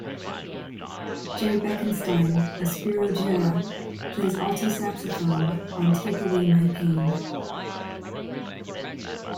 Jay Beckenstein of Spyro Gyra plays alto saxophone on Take Away My Pain.